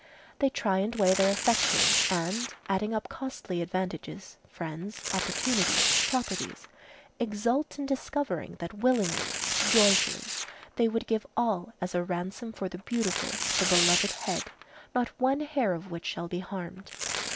They try and weigh their affection, and adding up costly advantages, friends, opportunities, properties, exult in discovering that willingly, joyfully, they would give all as a ransom for the beautiful, the beloved head, not one hair of which shall be harmed.